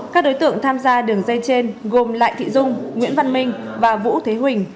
các đối tượng tham gia đường dây trên gồm lại thị dung nguyễn văn minh và vũ thế huỳnh